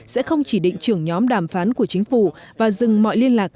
sẽ không chỉ định trưởng nhóm đàm phán của chính phủ và dừng mọi liên lạc